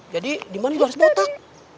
jadi diman juga harus botak